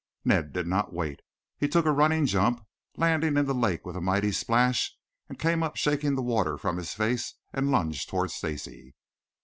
Ned did not wait. He took a running jump, landing in the lake with a mighty splash, and came up shaking the water from his face and lunged toward Stacy.